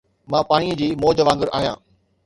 مان پاڻيءَ جي موج وانگر آهيان